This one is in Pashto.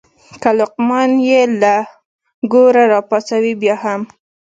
که لقمان یې له ګوره راپاڅوې بیا هم.